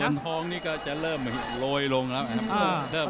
ตื้นทองนี่ก็จะเริ่มเวยโรยลงนะครับ